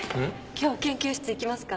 今日研究室行きますか？